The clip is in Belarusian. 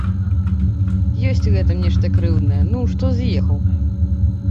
Ёсць у гэтым нешта крыўднае, ну, што з'ехаў.